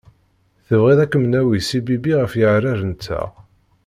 Tebɣiḍ ad kem-nawwi s ibibbi ɣef yeɛrar-nteɣ.